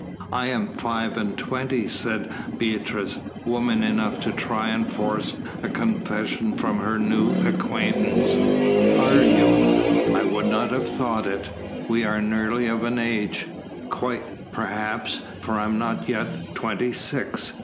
"I am five and twenty," said Beatrice, woman enough to try and force a confession from her new acquaintance. "Are you? I would not have thought it we are nearly of an age quite, perhaps, for I am not yet twenty six.